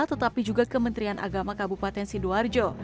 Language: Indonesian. tetapi juga ke menterian agama kabupaten sidoarjo